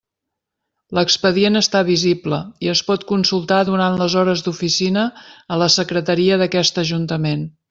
L'expedient està visible i es pot consultar durant les hores d'oficina a la secretaria d'aquest Ajuntament.